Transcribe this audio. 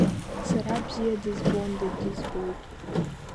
Сара бзиа дызбон, дагьызбоит…